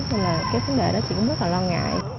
thế là cái vấn đề đó chị cũng rất lo ngại